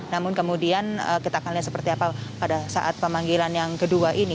namun kemudian kita akan lihat seperti apa pada saat pemanggilan yang kedua ini